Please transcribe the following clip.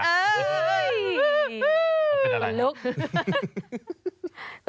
เฮ้ยลุก